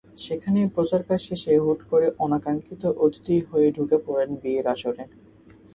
সেখানেই প্রচারকাজ শেষে হুট করে অনাকাঙ্ক্ষিত অতিথি হয়ে ঢুকে পড়েন বিয়ের আসরে।